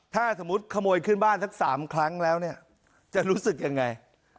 ถ้าสมมุติขโมยขึ้นบ้านสัก๓ครั้งแล้วเนี่ยจะรู้สึกยังไง